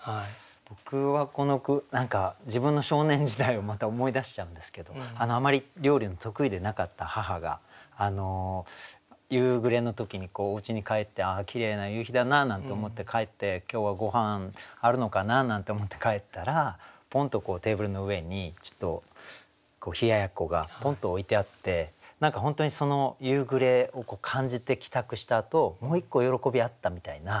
僕はこの句何か自分の少年時代をまた思い出しちゃうんですけどあまり料理の得意でなかった母が夕暮れの時にうちに帰ってああきれいな夕日だななんて思って帰って今日はごはんあるのかななんて思って帰ったらポンとテーブルの上に冷奴がポンと置いてあって何か本当に夕暮れを感じて帰宅したあともう一個喜びあったみたいな。